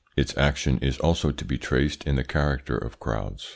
Its action is also to be traced in the character of crowds.